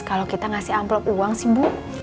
kalau kita ngasih amplop uang sih bu